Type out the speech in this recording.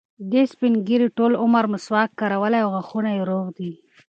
دې سپین ږیري ټول عمر مسواک کارولی او غاښونه یې روغ دي.